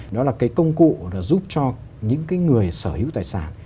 đó là công cụ giúp cho những người sở hữu tài sản